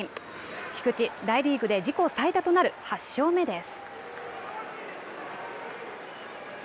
菊池、大リーグで自己最多となる８勝目です。